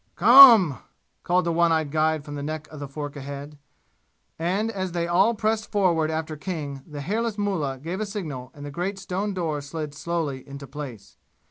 "Come!" called the one eyed guide from the neck of the fork ahead. And as they all pressed forward after King the hairless mullah gave a signal and the great stone door slid slowly into place.